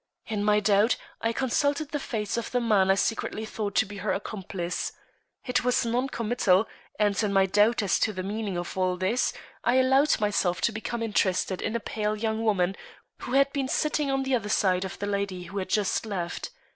In my doubt, I consulted the face of the man I secretly thought to be her accomplice. It was non committal, and, in my doubt as to the meaning of all this, I allowed myself to become interested in a pale young woman who had been sitting on the other side of the lady who had just left.